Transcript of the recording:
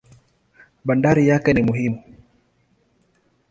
Bandari yake ni muhimu.